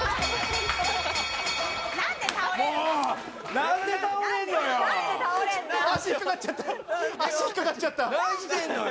何で倒れるのよ！